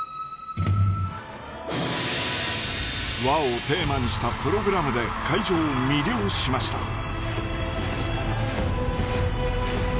「和」をテーマにしたプログラムで会場を魅了しました。